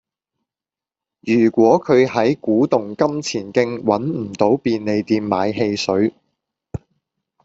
如果佢喺古洞金錢徑搵唔到便利店買汽水